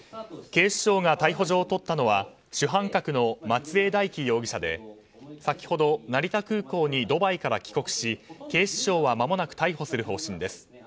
警視庁が逮捕状をとったのは主犯格の松江大樹容疑者で先ほど成田空港にドバイから帰国し警視庁はまもなく逮捕する方針です。